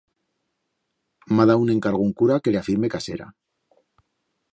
M'ha dau un encargo un cura que le afirme casera.